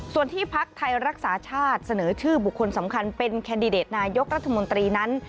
ส่วนที่พักไทยรักษาชาติเสนอชื่อบุคคลสำคัญเป็นแคนดิเดตนายกรัฐมนตรีนั้น